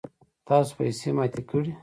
تاسو پیسی ماتی کړئ